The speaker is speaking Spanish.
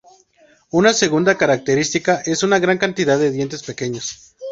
Una segunda característica es la gran cantidad de dientes pequeños.